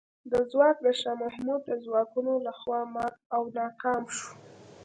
دا ځواک د شاه محمود د ځواکونو له خوا مات او ناکام شو.